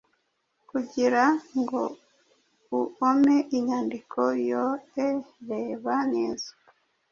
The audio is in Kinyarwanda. kugirango uome inyandiko yoe reba neza